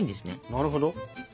なるほど。